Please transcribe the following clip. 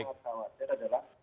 yang saya tahu adalah